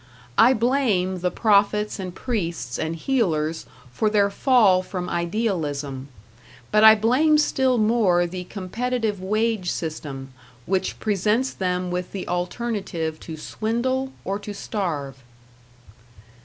I blame the prophets and priests and healers for their fall from idealism; but I blame still more the competitive wage system, which presents them with the alternative to swindle or to starve.